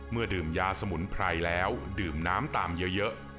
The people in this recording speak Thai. ดื่มยาสมุนไพรแล้วดื่มน้ำตามเยอะ